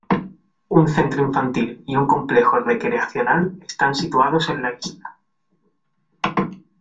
Un centro infantil y un complejo recreacional están situados en la isla.